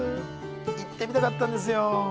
行ってみたかったんですよ。